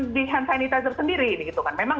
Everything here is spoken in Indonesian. di hand sanitizer sendiri gitu kan memang